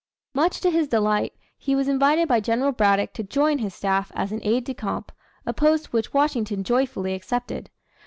Much to his delight, he was invited by General Braddock to join his staff as an aide de camp, a post which Washington joyfully accepted.